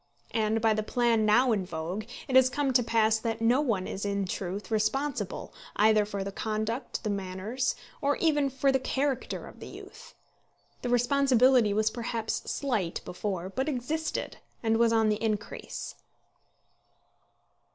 And, by the plan now in vogue, it has come to pass that no one is in truth responsible either for the conduct, the manners, or even for the character of the youth. The responsibility was perhaps slight before; but existed, and was on the increase.